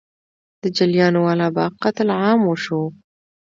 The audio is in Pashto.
د جلیانواله باغ قتل عام وشو.